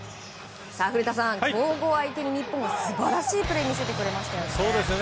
古田さん、強豪相手に日本が素晴らしいプレーを見せてくれましたよね。